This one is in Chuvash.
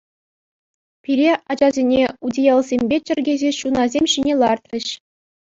Пире, ачасене, утиялсемпе чӗркесе ҫунасем ҫине лартрӗҫ.